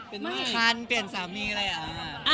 เป็นมือคันเปลี่ยนสามีอะไรอ่ะ